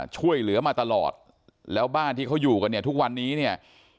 ช่วยเหลือมาตลอดแล้วบ้านที่เขาอยู่กันเนี่ยทุกวันนี้เนี่ย